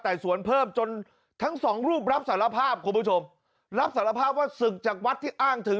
สวนเพิ่มจนทั้งสองรูปรับสารภาพคุณผู้ชมรับสารภาพว่าศึกจากวัดที่อ้างถึง